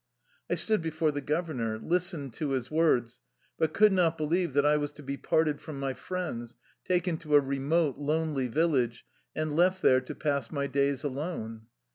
I stood before the governor, listened to his words, but could not believe that I was to be parted from my friends, taken to a remote, lonely village, and left there to pass my days alone.